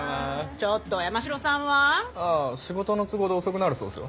ちょっと山城さんは？ああ仕事の都合で遅くなるそうですよ。